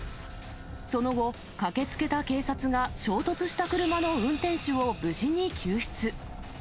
その後、駆けつけた警察が衝突した車の運転手を無事に救出。